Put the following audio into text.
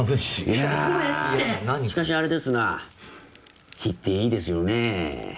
いやしかしあれですな火っていいですよねえ。